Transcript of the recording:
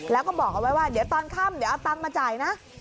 แล้วก็บอกเอาไว้ว่าเดี๋ยวตอนค่ำเดี๋ยวเอาตังค์มาจ่ายนะ